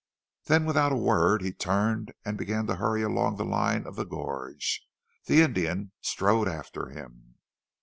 Then without a word he turned and began to hurry along the line of the gorge. The Indian strode after him.